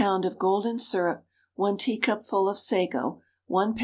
of golden syrup, 1 teacupful of sago, 1 lb.